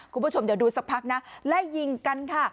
คุณผู้ชมเดี๋ยวดูสักพักนะไล่ยิงกันค่ะ